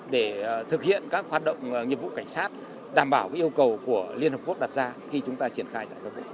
để thực hiện các hoạt động nhiệm vụ cảnh sát đảm bảo yêu cầu của liên hợp quốc đặt ra khi chúng ta triển khai